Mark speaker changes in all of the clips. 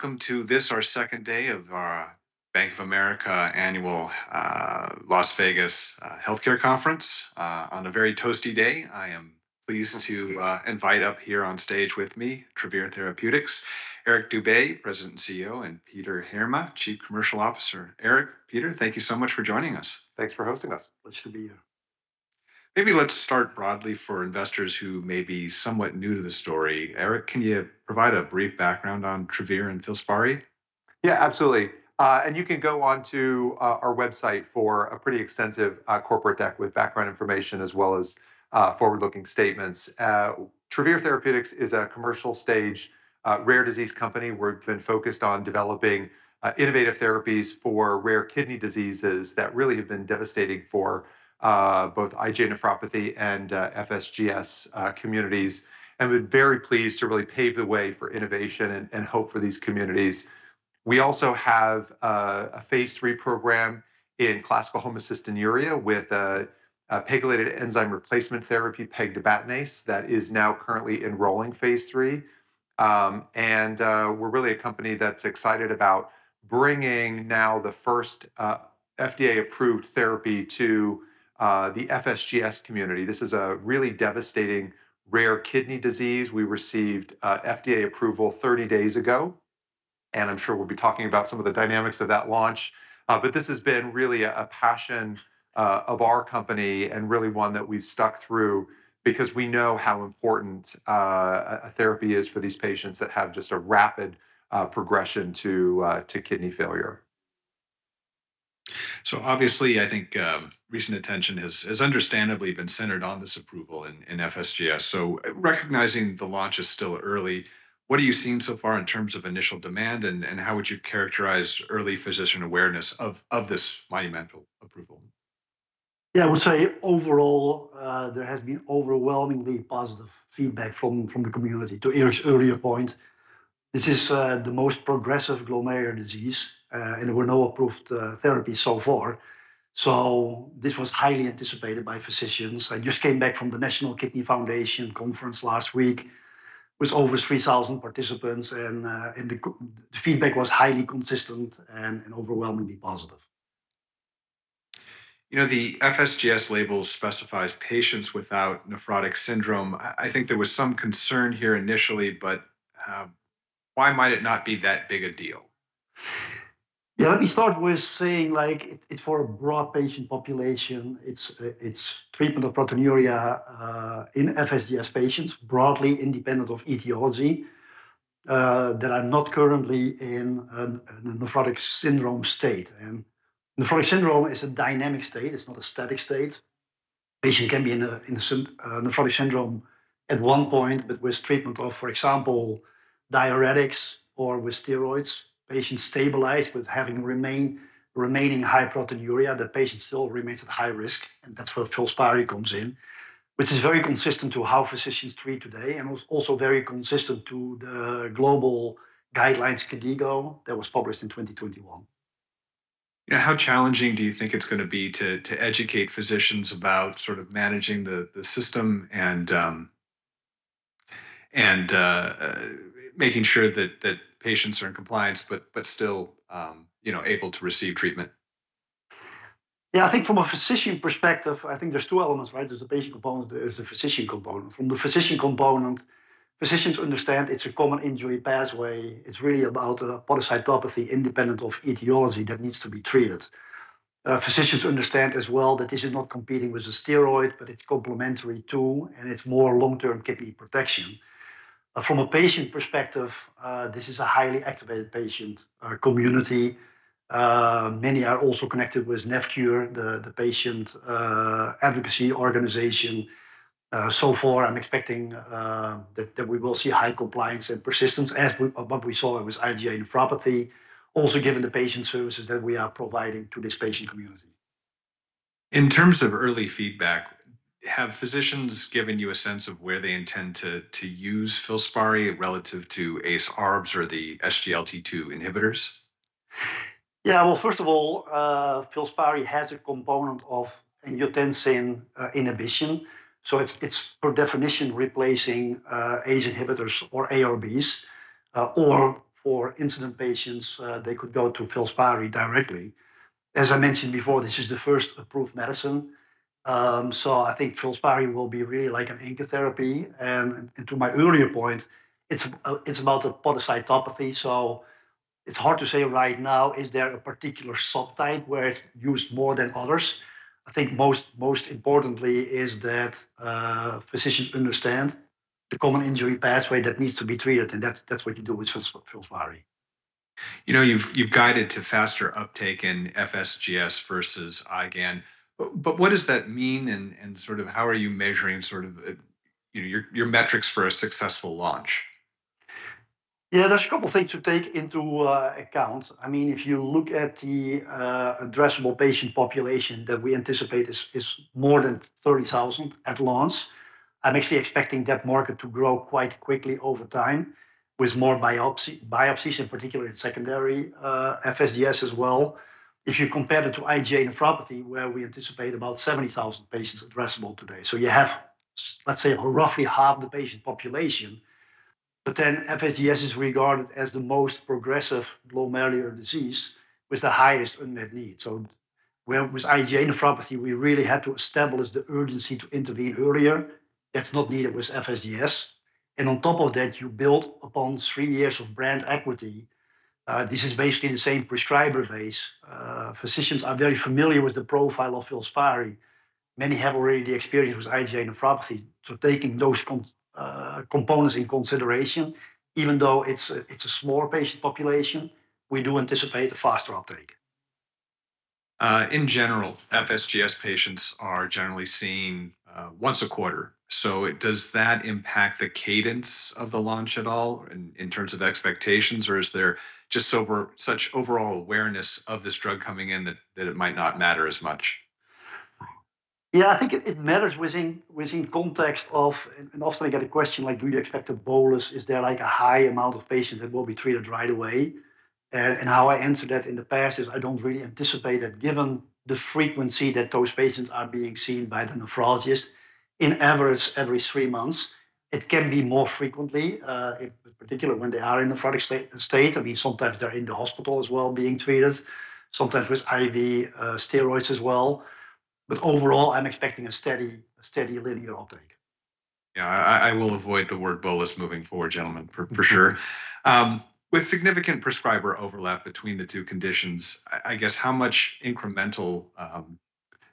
Speaker 1: Welcome to this, our second day of our Bank of America Annual Las Vegas Healthcare Conference. On a very toasty day, I am pleased to invite up here on stage with me, Travere Therapeutics, Eric Dube, President and CEO, and Peter Heerma, Chief Commercial Officer. Eric, Peter, thank you so much for joining us.
Speaker 2: Thanks for hosting us.
Speaker 3: Pleasure to be here.
Speaker 1: Maybe let's start broadly for investors who may be somewhat new to the story. Eric, can you provide a brief background on Travere and FILSPARI?
Speaker 2: Absolutely. You can go onto our website for a pretty extensive corporate deck with background information as well as forward-looking statements. Travere Therapeutics is a commercial stage rare disease company. We've been focused on developing innovative therapies for rare kidney diseases that really have been devastating for both IgA nephropathy and FSGS communities, and we're very pleased to really pave the way for innovation and hope for these communities. We also have a phase III program in classical homocystinuria with a pegylated enzyme replacement therapy, pegtibatinase, that is now currently enrolling phase III. We're really a company that's excited about bringing now the first FDA-approved therapy to the FSGS community. This is a really devastating rare kidney disease. We received FDA approval 30 days ago. I'm sure we'll be talking about some of the dynamics of that launch. This has been really a passion of our company and really one that we've stuck through because we know how important a therapy is for these patients that have just a rapid progression to kidney failure.
Speaker 1: Obviously, I think, recent attention has understandably been centered on this approval in FSGS. Recognizing the launch is still early, what are you seeing so far in terms of initial demand and how would you characterize early physician awareness of this monumental approval?
Speaker 3: Yeah. I would say overall, there has been overwhelmingly positive feedback from the community. To Eric's earlier point, this is the most progressive glomerular disease, and there were no approved therapy so far, so this was highly anticipated by physicians. I just came back from the National Kidney Foundation conference last week with over 3,000 participants, and the feedback was highly consistent and overwhelmingly positive.
Speaker 1: You know, the FSGS label specifies patients without nephrotic syndrome. I think there was some concern here initially, but why might it not be that big a deal?
Speaker 3: Let me start with saying, like, it's for a broad patient population. It's treatment of proteinuria in FSGS patients, broadly independent of etiology, that are not currently in a nephrotic syndrome state. Nephrotic syndrome is a dynamic state. It's not a static state. Patient can be in a nephrotic syndrome at one point, but with treatment of, for example, diuretics or with steroids, patient stabilize, but having remaining high proteinuria, the patient still remains at high risk, and that's where FILSPARI comes in, which is very consistent to how physicians treat today, and was also very consistent to the global guidelines KDIGO that was published in 2021.
Speaker 1: Yeah. How challenging do you think it's gonna be to educate physicians about sort of managing the system and making sure that patients are in compliance but still, you know, able to receive treatment?
Speaker 3: Yeah. I think from a physician perspective, I think there's two elements, right? There's the patient component, there's the physician component. From the physician component, physicians understand it's a common injury pathway. It's really about a podocytopathy independent of etiology that needs to be treated. Physicians understand as well that this is not competing with the steroid, but it's complementary too, and it's more long-term kidney protection. From a patient perspective, this is a highly activated patient community. Many are also connected with NephCure, the patient advocacy organization. So far, I'm expecting that we will see high compliance and persistence what we saw with IgA nephropathy, also given the patient services that we are providing to this patient community.
Speaker 1: In terms of early feedback, have physicians given you a sense of where they intend to use FILSPARI relative to ACE/ARBs or the SGLT2 inhibitors?
Speaker 3: Yeah. Well, first of all, FILSPARI has a component of angiotensin inhibition, so it's per definition replacing ACE inhibitors or ARBs. For incident patients, they could go to FILSPARI directly. As I mentioned before, this is the first approved medicine, I think FILSPARI will be really like an anchor therapy. To my earlier point, it's about the podocytopathy, it's hard to say right now is there a particular subtype where it's used more than others. I think most importantly is that physicians understand the common injury pathway that needs to be treated, that's what you do with FILSPARI.
Speaker 1: You know, you've guided to faster uptake in FSGS versus IgAN, but what does that mean and sort of how are you measuring sort of, you know, your metrics for a successful launch?
Speaker 3: Yeah. There's a couple things to take into account. I mean, if you look at the addressable patient population that we anticipate is more than 30,000 at launch. I'm actually expecting that market to grow quite quickly over time with more biopsies, in particular in secondary FSGS as well. If you compare it to IgA nephropathy, where we anticipate about 70,000 patients addressable today. You have, let's say, roughly half the patient population, FSGS is regarded as the most progressive glomerular disease with the highest unmet need. Where with IgA nephropathy, we really had to establish the urgency to intervene earlier. That's not needed with FSGS. On top of that, you build upon three years of brand equity. This is basically the same prescriber base. Physicians are very familiar with the profile of FILSPARI. Many have already the experience with IgA nephropathy. Taking those components in consideration, even though it's a smaller patient population, we do anticipate a faster uptake.
Speaker 1: In general, FSGS patients are generally seen once a quarter. Does that impact the cadence of the launch at all in terms of expectations, or is there just such overall awareness of this drug coming in that it might not matter as much?
Speaker 3: Yeah, I think it matters within context of. Often I get a question like, "Do you expect a bolus? Is there like a high amount of patients that will be treated right away?" How I answered that in the past is I don't really anticipate it, given the frequency that those patients are being seen by the nephrologist, in average every three months. It can be more frequently, in particular when they are in nephrotic state. I mean, sometimes they're in the hospital as well being treated, sometimes with IV steroids as well. Overall, I'm expecting a steady linear uptake.
Speaker 1: Yeah. I will avoid the word bolus moving forward, gentlemen, for sure. With significant prescriber overlap between the two conditions, I guess how much incremental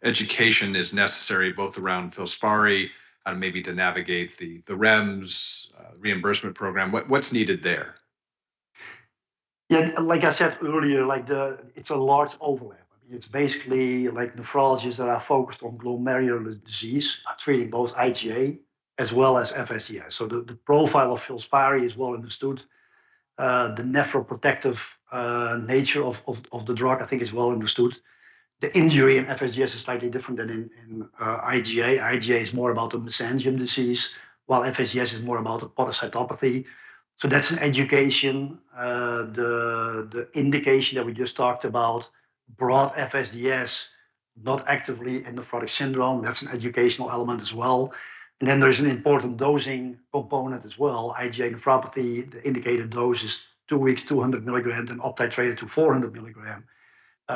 Speaker 1: education is necessary both around FILSPARI and maybe to navigate the REMS reimbursement program? What's needed there?
Speaker 3: Yeah. Like I said earlier, it's a large overlap. I mean, it's basically nephrologists that are focused on glomerular disease are treating both IgA as well as FSGS. The profile of FILSPARI is well understood. The nephroprotective nature of the drug I think is well understood. The injury in FSGS is slightly different than in IgA. IgA is more about a mesangial disease, while FSGS is more about a podocytopathy. That's an education. The indication that we just talked about, broad FSGS, not actively in nephrotic syndrome, that's an educational element as well. There's an important dosing component as well. IgA nephropathy, the indicated dose is two weeks, 200 mg, then up titrate to 400 mg.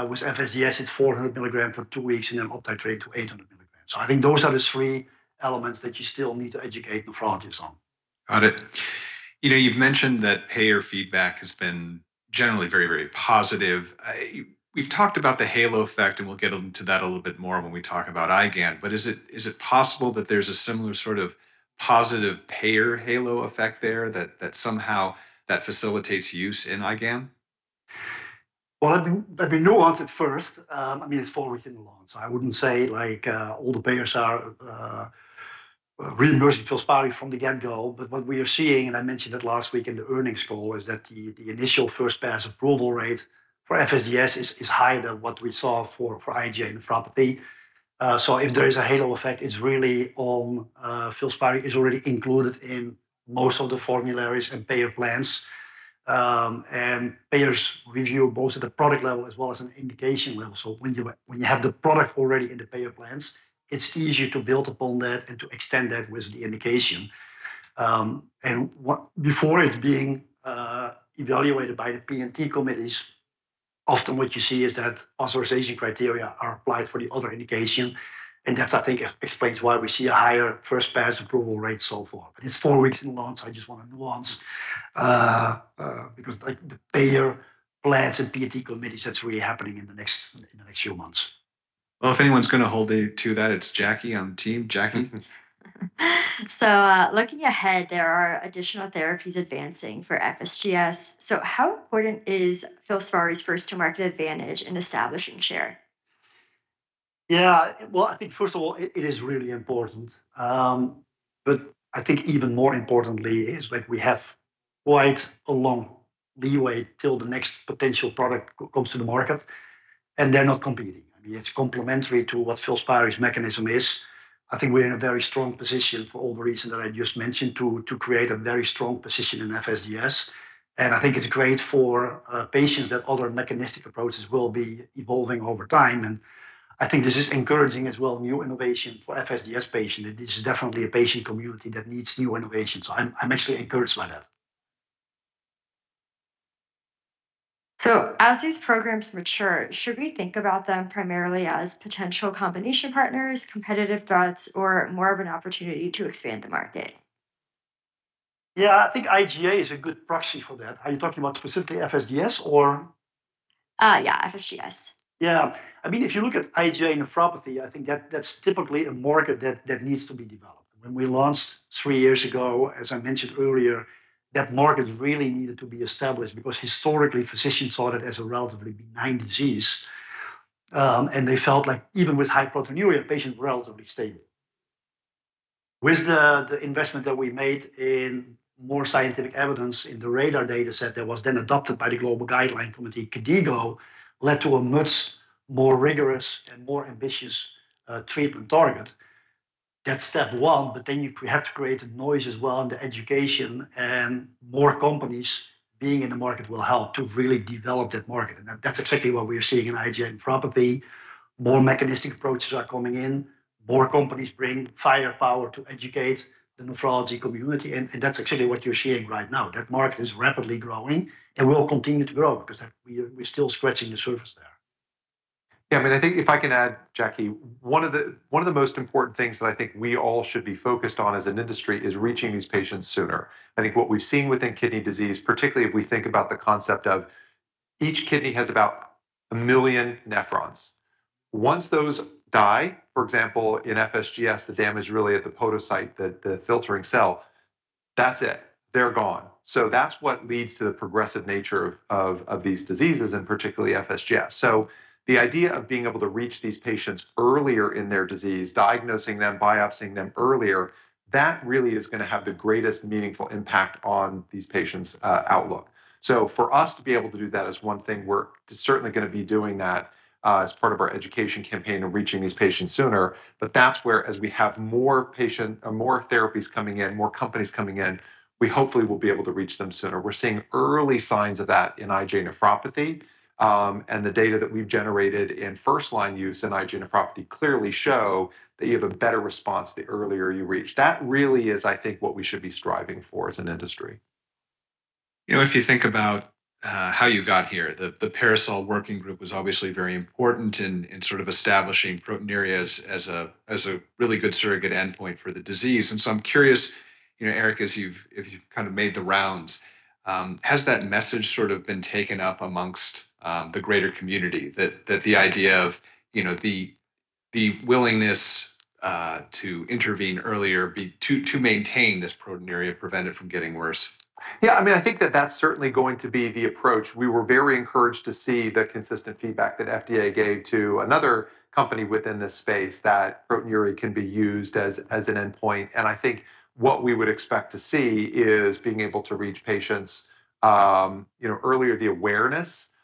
Speaker 3: With FSGS, it's 400 mg for two weeks and then up titrate to 800 mg. I think those are the three elements that you still need to educate nephrologists on.
Speaker 1: Got it. You know, you've mentioned that payer feedback has been generally very, very positive. We've talked about the halo effect, and we'll get into that a little bit more when we talk about IgAN. Is it possible that there's a similar sort of positive payer halo effect there that somehow that facilitates use in IgAN?
Speaker 3: Well, let me nuance it first. I mean, it's four weeks in the launch, I wouldn't say like, all the payers are reimbursing FILSPARI from the get-go. What we are seeing, and I mentioned it last week in the earnings call, is that the initial first-pass approval rate for FSGS is higher than what we saw for IgA nephropathy. If there is a halo effect, it's really on, FILSPARI is already included in most of the formularies and payer plans. Payers review both at the product level as well as an indication level. When you have the product already in the payer plans, it's easier to build upon that and to extend that with the indication. What before it's being evaluated by the P&T committees, often what you see is that authorization criteria are applied for the other indication, and that, I think, explains why we see a higher first-pass approval rate so far. It's four weeks in launch, so I just wanna nuance because like the payer plans and P&T committees, that's really happening in the next few months.
Speaker 1: Well, if anyone's gonna hold you to that, it's Jacqui on the team. [Jackie]?
Speaker 4: Looking ahead, there are additional therapies advancing for FSGS. How important is FILSPARI's first-to-market advantage in establishing share?
Speaker 3: Well, I think, first of all, it is really important. I think even more importantly is like we have quite a long leeway till the next potential product comes to the market, and they're not competing. I mean, it's complementary to what FILSPARI's mechanism is. I think we're in a very strong position for all the reasons that I just mentioned to create a very strong position in FSGS, and I think it's great for patients that other mechanistic approaches will be evolving over time. I think this is encouraging as well new innovation for FSGS patient. This is definitely a patient community that needs new innovation, so I'm actually encouraged by that.
Speaker 4: As these programs mature, should we think about them primarily as potential combination partners, competitive threats, or more of an opportunity to expand the market?
Speaker 3: Yeah. I think IgA is a good proxy for that. Are you talking about specifically FSGS or?
Speaker 4: Yeah, FSGS.
Speaker 3: Yeah. I mean, if you look at IgA nephropathy, I think that's typically a market that needs to be developed. When we launched three years ago, as I mentioned earlier, that market really needed to be established because historically physicians saw it as a relatively benign disease. They felt like even with high proteinuria, patients were relatively stable. With the investment that we made in more scientific evidence in the RADAR data set that was then adopted by the global guideline committee KDIGO, led to a much more rigorous and more ambitious treatment target. That's step one. You have to create noise as well in the education, more companies being in the market will help to really develop that market. That's exactly what we are seeing in IgA nephropathy. More mechanistic approaches are coming in. More companies bring firepower to educate the nephrology community, and that's exactly what you're seeing right now. That market is rapidly growing and will continue to grow because we're still scratching the surface there.
Speaker 2: I mean, I think if I can add, Jackie, one of the most important things that I think we all should be focused on as an industry is reaching these patients sooner. I think what we've seen within kidney disease, particularly if we think about the concept of each kidney has about 1 million nephrons. Once those die, for example, in FSGS, the damage really at the podocyte, the filtering cell, that's it. They're gone. That's what leads to the progressive nature of these diseases, and particularly FSGS. The idea of being able to reach these patients earlier in their disease, diagnosing them, biopsying them earlier, that really is gonna have the greatest meaningful impact on these patients' outlook. For us to be able to do that is one thing. We're certainly gonna be doing that as part of our education campaign and reaching these patients sooner. That's where as we have more therapies coming in, more companies coming in, we hopefully will be able to reach them sooner. We're seeing early signs of that in IgA nephropathy. The data that we've generated in first line use in IgA nephropathy clearly show that you have a better response the earlier you reach. That really is, I think, what we should be striving for as an industry.
Speaker 1: You know, if you think about how you got here, the PARASOL working group was obviously very important in sort of establishing proteinuria as a really good surrogate endpoint for the disease. I'm curious, you know, Eric, as you've, if you've kind of made the rounds, has that message sort of been taken up amongst the greater community, that the idea of, you know, the willingness to intervene earlier to maintain this proteinuria, prevent it from getting worse?
Speaker 2: I mean, I think that's certainly going to be the approach. We were very encouraged to see the consistent feedback that FDA gave to another company within this space that proteinuria can be used as an endpoint. I think what we would expect to see is being able to reach patients, you know, earlier. The awareness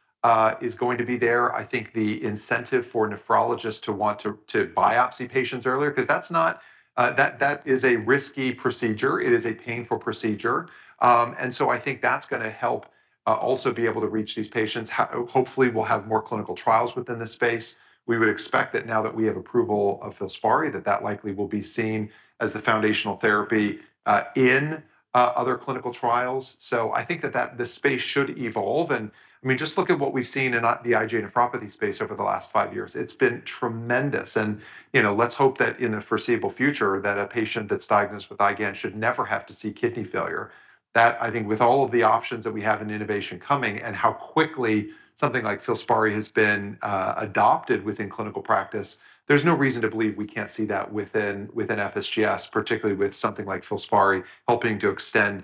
Speaker 2: is going to be there. I think the incentive for nephrologists to want to biopsy patients earlier 'cause that is a risky procedure. It is a painful procedure. So I think that's gonna help also be able to reach these patients. Hopefully, we'll have more clinical trials within this space. We would expect that now that we have approval of FILSPARI, that likely will be seen as the foundational therapy in other clinical trials. I think that this space should evolve. I mean, just look at what we've seen in the IgA nephropathy space over the last five years. It's been tremendous. You know, let's hope that in the foreseeable future that a patient that's diagnosed with IgAN should never have to see kidney failure. I think with all of the options that we have in innovation coming and how quickly something like FILSPARI has been adopted within clinical practice, there's no reason to believe we can't see that within FSGS, particularly with something like FILSPARI helping to extend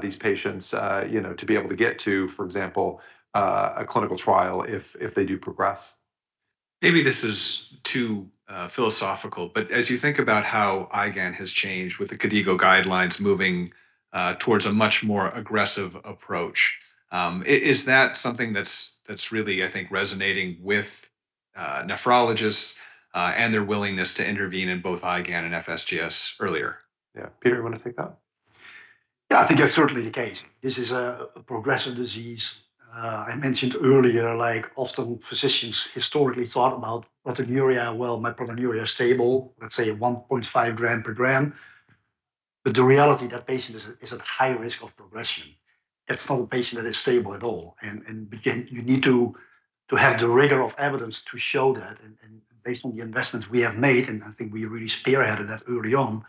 Speaker 2: these patients, you know, to be able to get to, for example, a clinical trial if they do progress.
Speaker 1: Maybe this is too philosophical, but as you think about how IgAN has changed with the KDIGO guidelines moving towards a much more aggressive approach, is that something that's really, I think, resonating with nephrologists and their willingness to intervene in both IgAN and FSGS earlier?
Speaker 2: Yeah. Peter, you wanna take that?
Speaker 3: Yeah, I think that's certainly the case. This is a progressive disease. I mentioned earlier, like often physicians historically thought about proteinuria, well, my proteinuria is stable, let's say 1.5 g per gram. The reality, that patient is at high risk of progression. That's not a patient that is stable at all. Again, you need to have the rigor of evidence to show that. Based on the investments we have made, and I think we really spearheaded that early on,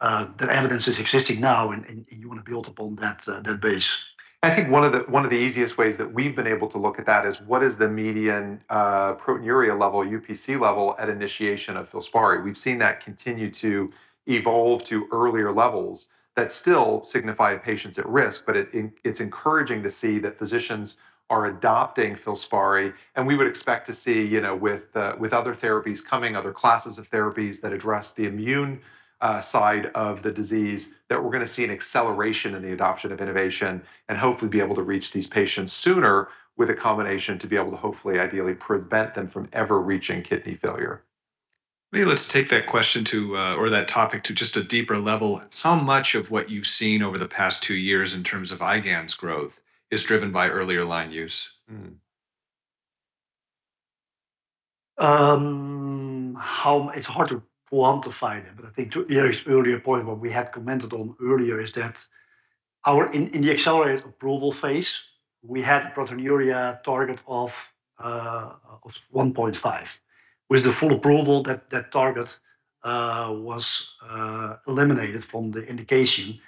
Speaker 3: the evidence is existing now and you wanna build upon that base.
Speaker 2: I think one of the, one of the easiest ways that we've been able to look at that is what is the median, proteinuria level, UPC level at initiation of FILSPARI. We've seen that continue to evolve to earlier levels that still signify patients at risk, but it's encouraging to see that physicians are adopting FILSPARI. We would expect to see, you know, with other therapies coming, other classes of therapies that address the immune side of the disease, that we're gonna see an acceleration in the adoption of innovation and hopefully be able to reach these patients sooner with a combination to be able to hopefully ideally prevent them from ever reaching kidney failure.
Speaker 1: Maybe let's take that question to or that topic to just a deeper level. How much of what you've seen over the past two years in terms of IgAN's growth is driven by earlier line use?
Speaker 3: It's hard to quantify that, but I think to Eric's earlier point, what we had commented on earlier is that our in the accelerated approval phase, we had proteinuria target of 1.5 g. With the full approval, that target was eliminated from the indication.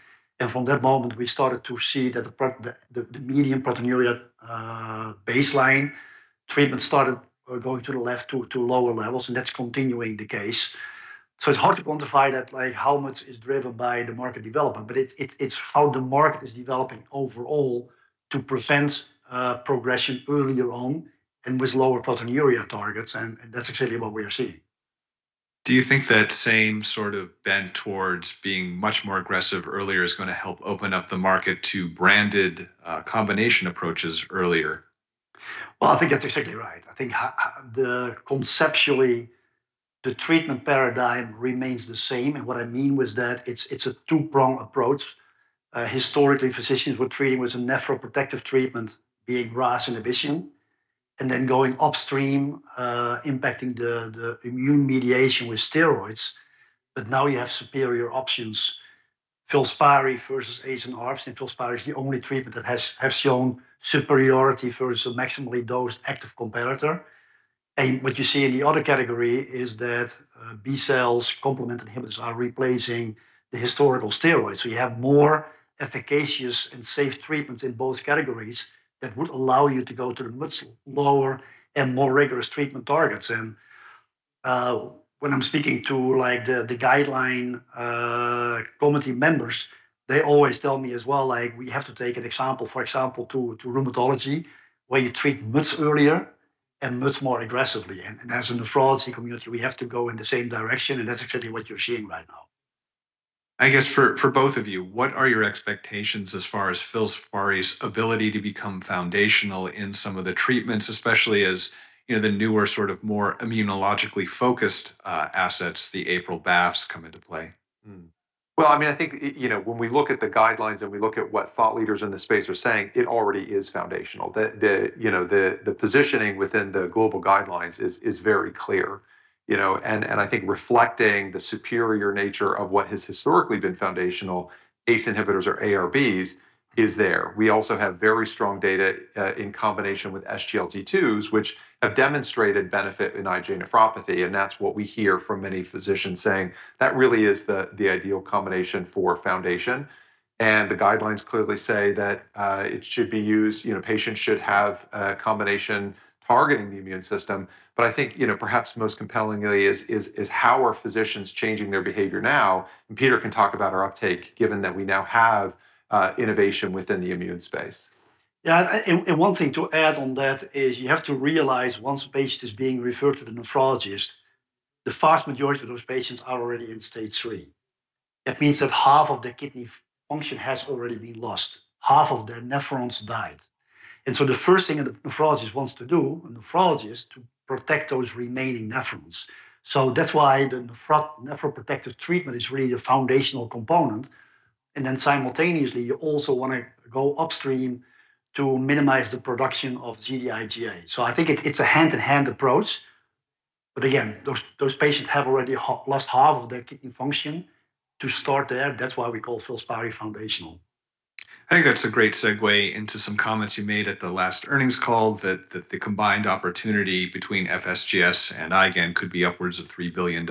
Speaker 3: From that moment, we started to see that the median proteinuria baseline treatment started going to the left to lower levels, and that's continuing the case. It's hard to quantify that, like how much is driven by the market development, but it's how the market is developing overall to prevent progression earlier on and with lower proteinuria targets, and that's exactly what we are seeing.
Speaker 1: Do you think that same sort of bent towards being much more aggressive earlier is gonna help open up the market to branded, combination approaches earlier?
Speaker 3: Well, I think that's exactly right. I think conceptually, the treatment paradigm remains the same. What I mean with that, it's a two-prong approach. Historically, physicians were treating with some nephroprotective treatment, being RAS inhibition, then going upstream, impacting the immune mediation with steroids. Now you have superior options, FILSPARI versus ACE and ARBs, and FILSPARI is the only treatment that has shown superiority for a maximally dosed active competitor. What you see in the other category is that B cell and complement inhibitors are replacing the historical steroids. We have more efficacious and safe treatments in both categories that would allow you to go to the much lower and more rigorous treatment targets. When I'm speaking to like the guideline committee members, they always tell me as well, like, we have to take an example. For example, to rheumatology, where you treat much earlier and much more aggressively. As a nephrology community, we have to go in the same direction, and that's exactly what you're seeing right now.
Speaker 1: I guess for both of you, what are your expectations as far as FILSPARI's ability to become foundational in some of the treatments, especially as, you know, the newer sort of more immunologically focused assets, the APRIL/BAFFs come into play?
Speaker 2: Well, I mean, I think, you know, when we look at the guidelines and we look at what thought leaders in this space are saying, it already is foundational. The positioning within the global guidelines is very clear. You know, I think reflecting the superior nature of what has historically been foundational, ACE inhibitors or ARBs, is there. We also have very strong data in combination with SGLT2s, which have demonstrated benefit in IgA nephropathy, and that's what we hear from many physicians saying, "That really is the ideal combination for foundation." The guidelines clearly say that it should be used, you know, patients should have a combination targeting the immune system. I think, you know, perhaps most compellingly is how are physicians changing their behavior now, and Peter can talk about our uptake given that we now have innovation within the immune space.
Speaker 3: Yeah. One thing to add on that is you have to realize once a patient is being referred to the nephrologist, the vast majority of those patients are already in stage three. That means that half of their kidney function has already been lost. Half of their nephrons died. The first thing that the nephrologist wants to do to protect those remaining nephrons. That's why the nephroprotective treatment is really a foundational component, and then simultaneously you also wanna go upstream to minimize the production of IgA. I think it's a hand-in-hand approach. Again, those patients have already lost half of their kidney function to start there. That's why we call FILSPARI foundational.
Speaker 1: I think that's a great segue into some comments you made at the last earnings call that the combined opportunity between FSGS and IgAN could be upwards of $3 billion.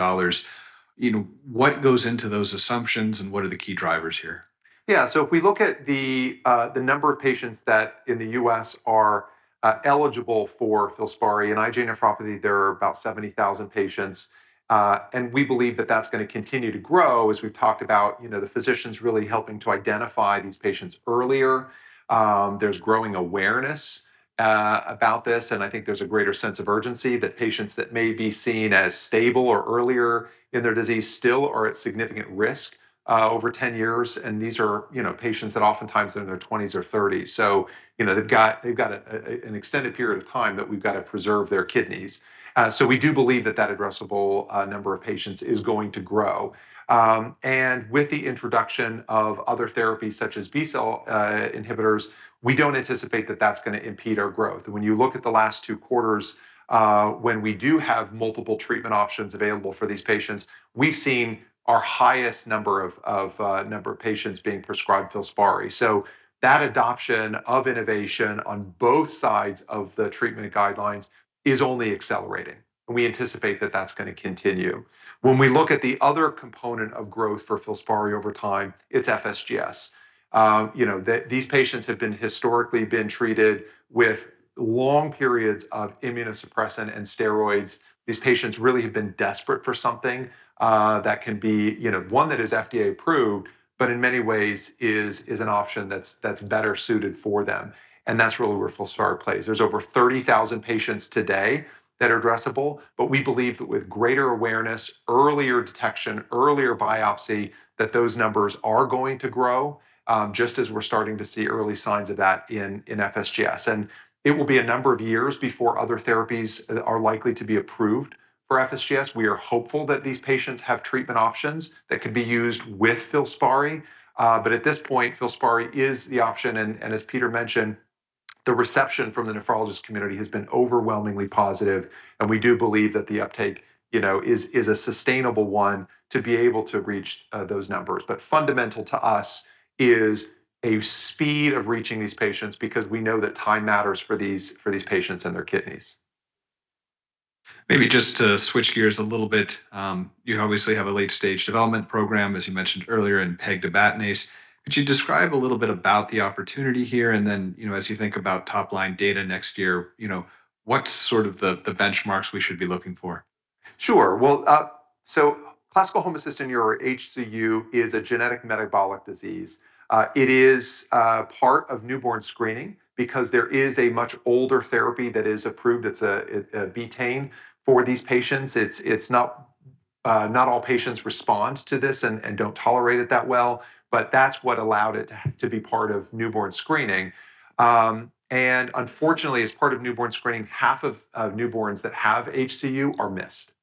Speaker 1: You know, what goes into those assumptions, and what are the key drivers here?
Speaker 2: Yeah. If we look at the number of patients that in the U.S. are eligible for FILSPARI, in IgA nephropathy, there are about 70,000 patients. We believe that that's gonna continue to grow as we've talked about, you know, the physicians really helping to identify these patients earlier. There's growing awareness about this, and I think there's a greater sense of urgency that patients that may be seen as stable or earlier in their disease still are at significant risk over 10 years, and these are, you know, patients that oftentimes are in their 20s or 30s. You know, they've got an extended period of time that we've got to preserve their kidneys. We do believe that that addressable number of patients is going to grow. With the introduction of other therapies such as B-cell inhibitors, we don't anticipate that that's gonna impede our growth. When you look at the last two quarters, when we do have multiple treatment options available for these patients, we've seen our highest number of patients being prescribed FILSPARI. That adoption of innovation on both sides of the treatment guidelines is only accelerating, and we anticipate that that's gonna continue. When we look at the other component of growth for FILSPARI over time, it's FSGS. You know, these patients have been historically been treated with long periods of immunosuppressant and steroids. These patients really have been desperate for something that can be, you know, one that is FDA approved, but in many ways is an option that's better suited for them, and that's really where FILSPARI plays. There's over 30,000 patients today that are addressable, but we believe that with greater awareness, earlier detection, earlier biopsy, that those numbers are going to grow, just as we're starting to see early signs of that in FSGS. It will be a number of years before other therapies are likely to be approved for FSGS. We are hopeful that these patients have treatment options that could be used with FILSPARI. At this point, FILSPARI is the option. As Peter mentioned, the reception from the nephrologist community has been overwhelmingly positive, and we do believe that the uptake, you know, is a sustainable one to be able to reach those numbers. Fundamental to us is a speed of reaching these patients because we know that time matters for these patients and their kidneys.
Speaker 1: Maybe just to switch gears a little bit, you obviously have a late-stage development program, as you mentioned earlier, in pegtibatinase. Could you describe a little bit about the opportunity here, and then, you know, as you think about top-line data next year, you know, what sort of the benchmarks we should be looking for?
Speaker 2: Sure. Well, classical homocystinuria, HCU, is a genetic metabolic disease. It is part of newborn screening because there is a much older therapy that is approved. It's betaine for these patients. It's not all patients respond to this and don't tolerate it that well, but that's what allowed it to be part of newborn screening. Unfortunately, as part of newborn screening, half of newborns that have HCU are missed.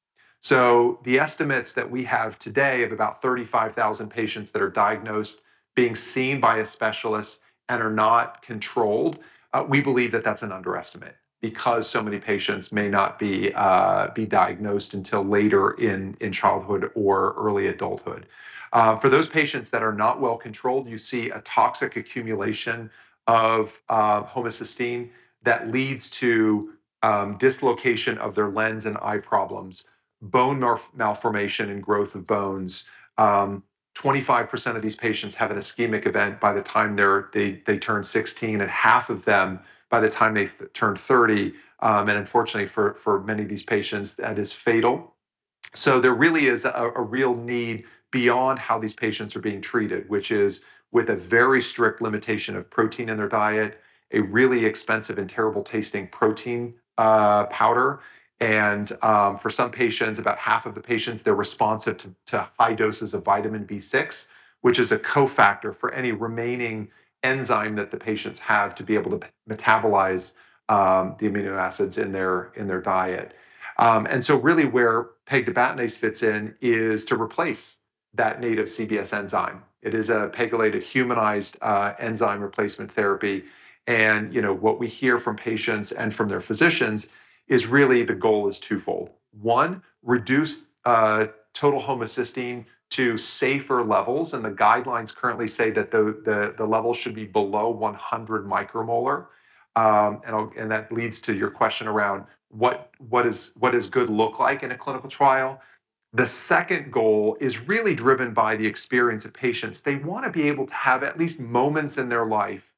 Speaker 2: The estimates that we have today of about 35,000 patients that are diagnosed being seen by a specialist and are not controlled, we believe that that's an underestimate because so many patients may not be diagnosed until later in childhood or early adulthood. For those patients that are not well-controlled, you see a toxic accumulation of homocysteine that leads to dislocation of their lens and eye problems, bone malformation and growth of bones. 25% of these patients have an ischemic event by the time they turn 16, and half of them by the time they turn 30, and unfortunately for many of these patients, that is fatal. There really is a real need beyond how these patients are being treated, which is with a very strict limitation of protein in their diet, a really expensive and terrible-tasting protein powder, and for some patients, about half of the patients, they're responsive to high doses of vitamin B6, which is a cofactor for any remaining enzyme that the patients have to be able to metabolize the amino acids in their diet. Really where pegtibatinase fits in is to replace that native CBS enzyme. It is a pegylated humanized enzyme replacement therapy. You know, what we hear from patients and from their physicians is really the goal is twofold. One, reduce total homocysteine to safer levels, and the guidelines currently say that the level should be below 100 μM. That leads to your question around what does good look like in a clinical trial. The second goal is really driven by the experience of patients. They want to be able to have at least moments in their life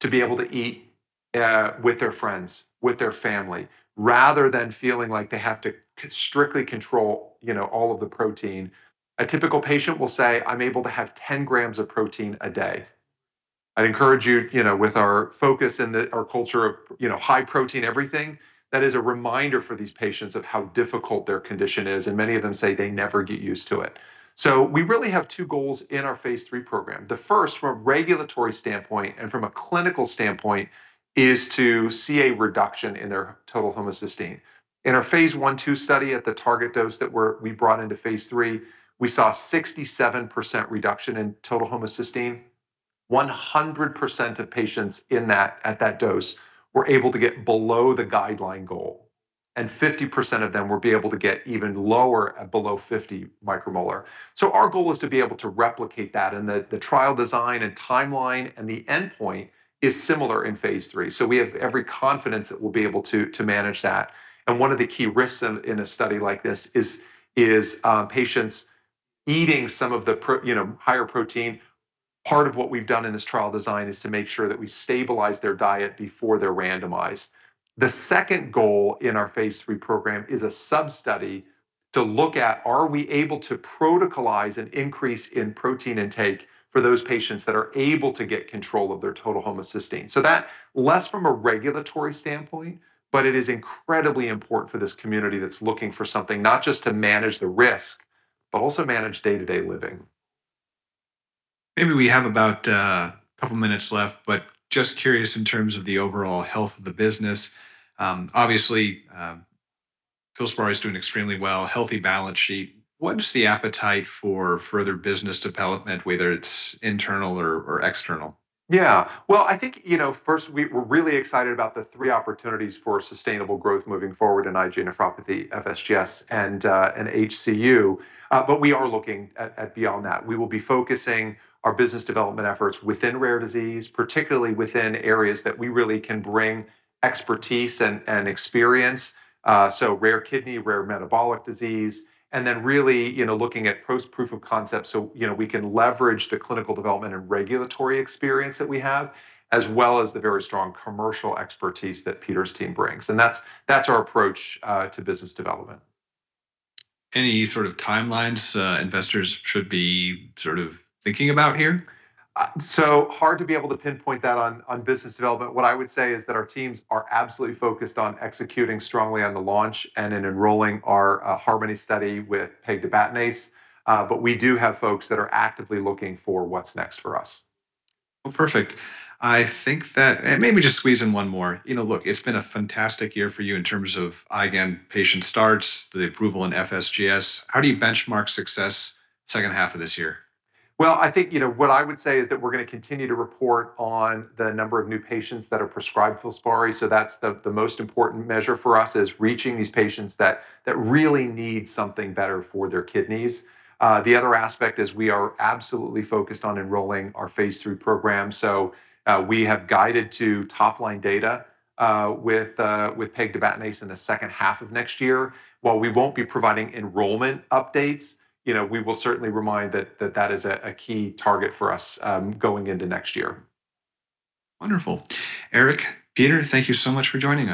Speaker 2: to be able to eat with their friends, with their family, rather than feeling like they have to strictly control, you know, all of the protein. A typical patient will say, "I'm able to have 10 g of protein a day." I'd encourage you know, with our focus and our culture of, you know, high protein everything, that is a reminder for these patients of how difficult their condition is, and many of them say they never get used to it. We really have two goals in our phase III program. The first, from a regulatory standpoint and from a clinical standpoint, is to see a reduction in their total homocysteine. In our phase I/II study at the target dose that we brought into phase III, we saw 67% reduction in total homocysteine. 100% of patients at that dose were able to get below the guideline goal, and 50% of them were able to get even lower at below 50 μM. Our goal is to be able to replicate that, and the trial design and timeline and the endpoint is similar in phase III. We have every confidence that we'll be able to manage that. One of the key risks in a study like this is patients eating some of the you know, higher protein. Part of what we've done in this trial design is to make sure that we stabilize their diet before they're randomized. The second goal in our phase III program is a substudy to look at are we able to protocolize an increase in protein intake for those patients that are able to get control of their total homocysteine. That, less from a regulatory standpoint, but it is incredibly important for this community that's looking for something not just to manage the risk, but also manage day-to-day living.
Speaker 1: Maybe we have about a couple minutes left, but just curious in terms of the overall health of the business. Obviously, FILSPARI is doing extremely well, healthy balance sheet. What is the appetite for further business development, whether it's internal or external?
Speaker 2: Yeah. Well, I think, you know, first, we're really excited about the three opportunities for sustainable growth moving forward in IgA nephropathy, FSGS, and HCU. We are looking at beyond that. We will be focusing our business development efforts within rare disease, particularly within areas that we really can bring expertise and experience, so rare kidney, rare metabolic disease, and then really, you know, looking at post proof of concept so, you know, we can leverage the clinical development and regulatory experience that we have, as well as the very strong commercial expertise that Peter's team brings. That's our approach to business development.
Speaker 1: Any sort of timelines, investors should be sort of thinking about here?
Speaker 2: Hard to be able to pinpoint that on business development. What I would say is that our teams are absolutely focused on executing strongly on the launch and in enrolling our HARMONY study with pegtibatinase. We do have folks that are actively looking for what's next for us.
Speaker 1: Well, perfect. I think that maybe just squeeze in one more. You know, look, it's been a fantastic year for you in terms of IgAN patient starts, the approval in FSGS. How do you benchmark success second half of this year?
Speaker 2: Well, I think, you know, what I would say is that we're gonna continue to report on the number of new patients that are prescribed FILSPARI, that's the most important measure for us, is reaching these patients that really need something better for their kidneys. The other aspect is we are absolutely focused on enrolling our phase III program. We have guided to top-line data with pegtibatinase in the second half of next year. While we won't be providing enrollment updates, you know, we will certainly remind that that is a key target for us going into next year.
Speaker 1: Wonderful. Eric, Peter, thank you so much for joining us.